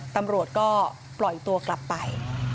ตำรวจก็ปล่อยตัวกลับไป